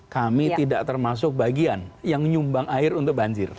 kami tidak termasuk bagian yang nyumbang air untuk banjir